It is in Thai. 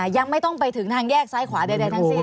ยังไม่ต้องไปถึงทางแยกซ้ายขวาใดทั้งสิ้น